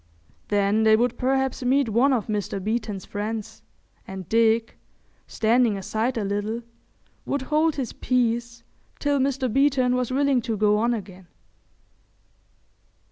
Then they would perhaps meet one of Mr. Beeton's friends, and Dick, standing aside a little, would hold his peace till Mr. Beeton was willing to go on again.